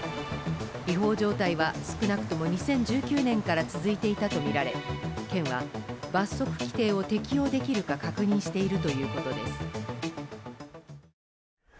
違法状態は少なくとも２０１９年から続いていたとみられ、県は罰則規定を適用できるか確認しているということです。